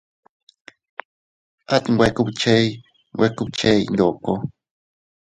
At nwe kubchey nwe kubchey ndoko.